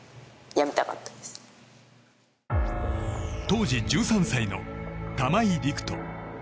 当時１３歳の玉井陸斗。